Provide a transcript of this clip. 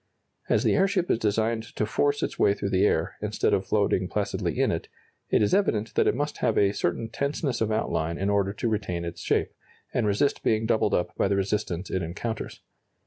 As the airship is designed to force its way through the air, instead of floating placidly in it, it is evident that it must have a certain tenseness of outline in order to retain its shape, and resist being doubled up by the resistance it encounters.